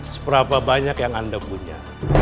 seberapa banyak yang anda punya